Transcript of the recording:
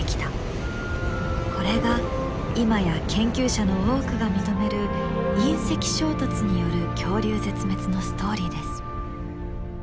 これが今や研究者の多くが認める隕石衝突による恐竜絶滅のストーリーです。